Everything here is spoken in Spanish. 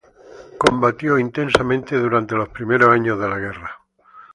Combatió intensamente durante los primeros años de la guerra.